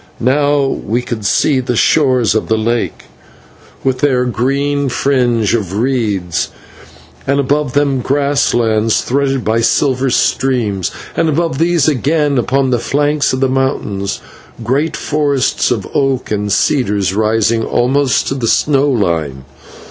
Now we could see the shores of the lake, with their green fringe of reeds; and above them grass lands threaded by silver streams; and above these again, upon the flanks of the mountains, great forests of oak and cedars rising almost to the snow line.